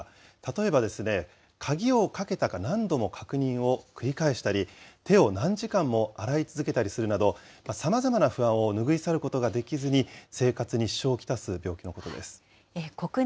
例えば鍵をかけたか何度も確認を繰り返したり、手を何時間も洗い続けたりするなど、さまざまな不安を拭い去ることができずに、生活に支障を来す病気のことです。